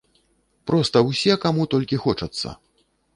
Проста ўсе, каму толькі хочацца!